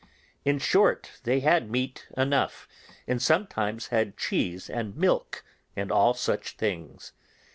In short, they had meat enough, and sometimes had cheese and milk, and all such things.